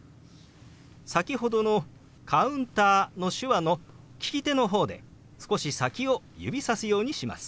先ほどの「カウンター」の手話の利き手の方で少し先を指さすようにします。